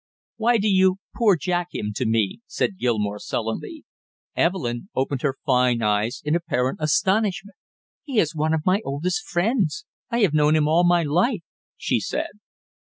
"Why do you 'poor Jack' him to me?" said Gilmore sullenly. Evelyn opened her fine eyes in apparent astonishment. "He is one of my oldest friends. I have known him all my life!" she said.